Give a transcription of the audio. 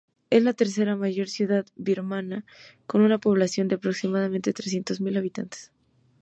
Es la tercera mayor ciudad birmana, con una población de aproximadamente trescientos mil habitantes.